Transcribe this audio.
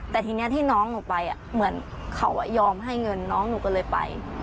แต่ทีนี้ที่น้องหนูไปเหมือนเขายอมให้เงินน้องหนูก็เลยไป